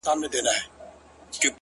دغه زرين مخ _